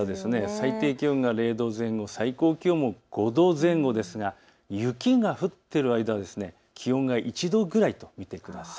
最低気温が０度前後、最高気温も５度前後ですが雪が降っている間は気温が１度くらいと見てください。